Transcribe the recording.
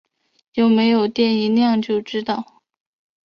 有没有电一量就知道